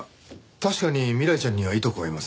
確かに未来ちゃんにはいとこがいます。